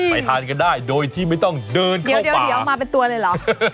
ทานกันได้โดยที่ไม่ต้องเดินกันเดี๋ยวมาเป็นตัวเลยเหรอ